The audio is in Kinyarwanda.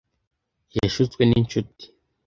Yashutswe n'inshuti.